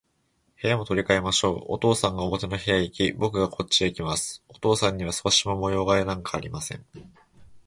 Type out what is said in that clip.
部屋も取り変えましょう。お父さんが表の部屋へいき、ぼくがこっちへきます。お父さんには少しも模様変えなんかありません。